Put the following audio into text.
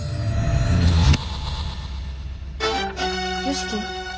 良樹？